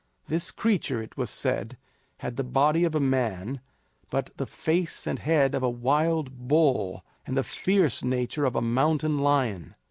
This creature, it was said, had the body of a man, but the face and head of a wild bull and the fierce nature of a mountain lion.